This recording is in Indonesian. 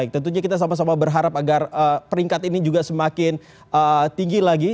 tentunya kita sama sama berharap agar peringkat ini juga semakin tinggi lagi